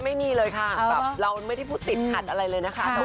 ไม่มีเลยค่ะแบบเราไม่ได้พูดติดขัดอะไรเลยนะคะ